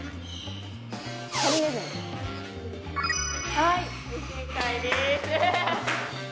はい正解です。